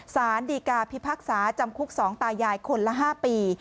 สารดีกาพิพากษาจำคุก๒ตายายคนละ๕ปี